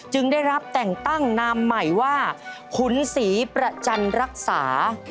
ได้รับแต่งตั้งนามใหม่ว่าขุนศรีประจันรักษา